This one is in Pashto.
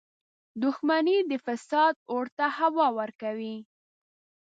• دښمني د فساد اور ته هوا ورکوي.